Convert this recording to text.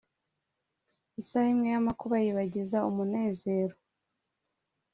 Isaha imwe y’amakuba yibagiza umunezero,